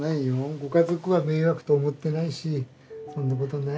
ご家族は迷惑と思ってないしそんなことない。